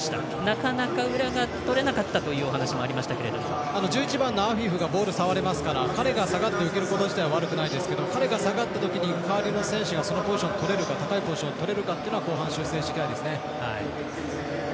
なかなか裏がとれなった１１番のアフィフがボールを触れますから彼が下がって受けること自体は悪くないですけど彼が下がったとき代わりの選手がそのポジションをとれるか高いポジションをとれるかというのを後半、修正したいですね。